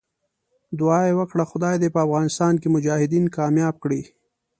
دعا یې وکړه خدای دې په افغانستان کې مجاهدین کامیاب کړي.